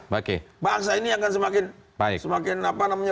bangsa ini akan semakin